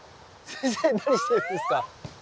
先生何してるんですか？